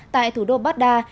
tại thủ đô baghdad